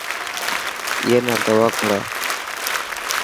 اي نا دوا کوڙا.